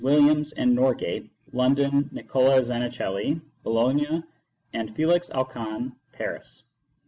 Williams and Norgate, London, Nicola Zanichelli, Bologna, and Felix Alcan, Paris.